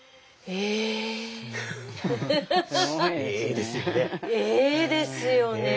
「えっ！」ですよね。